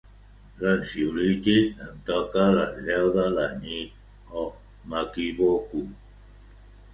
L'ansiolític em toca a les deu de la nit o m'equivoco?